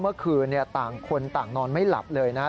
เมื่อคืนต่างคนต่างนอนไม่หลับเลยนะ